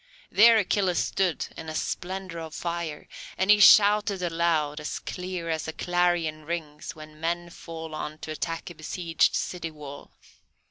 There Achilles stood in a splendour of fire, and he shouted aloud, as clear as a clarion rings when men fall on to attack a besieged city wall.